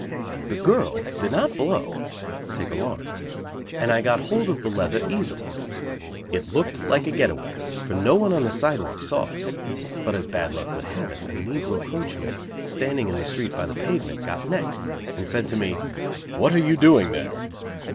The girl did not "blow" (take alarm) and I got hold of the leather easily. It looked like a get away, for no one on the sidewalk saw us. But as bad luck would have it, a negro coachman, standing in the street by the pavement, got next, and said to me, "What are you doing there?"